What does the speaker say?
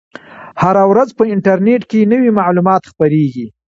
هره ورځ په انټرنیټ کې نوي معلومات خپریږي.